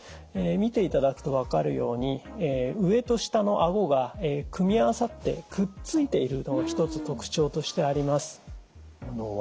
見ていただくと分かるように上と下のあごが組み合わさってくっついているのが一つ特徴としてあります。